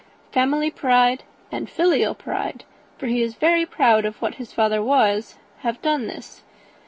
Family pride, and filial pride, for he is very proud of what his father was, have done this.